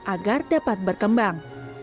agar dapat berkembang